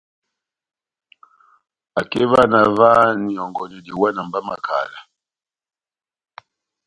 Akeva na ová na ihɔngɔnedɛ iwana má makala.